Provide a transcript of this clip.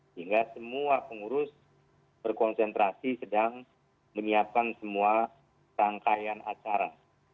sehingga semua pengurus berkonsentrasi sedang menyiapkan semua rangkaian acara